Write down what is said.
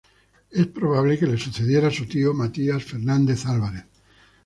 Es probable que le sucediera su tío Matías Fernández Álvarez.